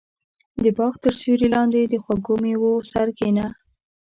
• د باغ تر سیوري لاندې د خوږو مېوو سره کښېنه.